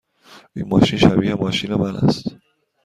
این ماشین شبیه ماشین من است.